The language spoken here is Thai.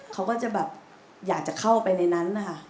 เขาก็อยากจะเข้าไปในนั้นอะ